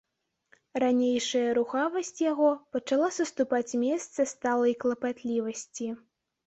Ранейшая рухавасць яго пачала саступаць месца сталай клапатлівасці.